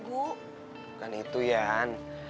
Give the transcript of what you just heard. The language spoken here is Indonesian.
bukan itu yan